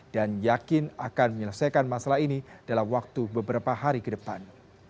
dan yakin akan menyelesaikan masalah ini dalam waktu beberapa hari ke depan